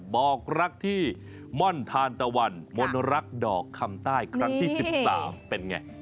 บอกรักที่ม่อนทานตะวันมนรักดอกคำใต้ครั้งที่๑๓เป็นไง